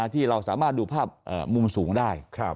ที่เราสามารถดูภาพมุมสูงได้